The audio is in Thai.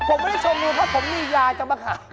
ผมไม่ได้โชว์งูครับผมมียาจับมะขา